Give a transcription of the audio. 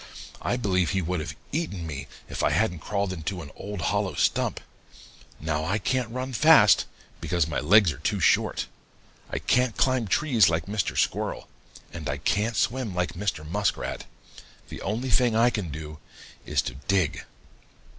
I believe he would have eaten me, if I hadn't crawled into an old hollow stump. Now I can't run fast, because my legs are too short. I can't climb trees like Mr. Squirrel, and I can't swim like Mr. Muskrat. The only thing I can do is to dig.'